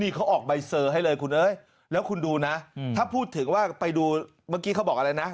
เขาออกใบเซอร์ให้เลยคุณเอ้ยแล้วคุณดูนะถ้าพูดถึงว่าไปดูเมื่อกี้เขาบอกอะไรนะ